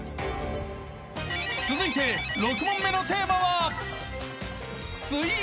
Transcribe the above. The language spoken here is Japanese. ［続いて６問目のテーマは］